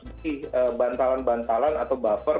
lebih bantalan bantalan atau buffer